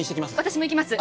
私も行きます